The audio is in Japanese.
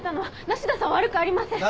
梨田さん悪くありません。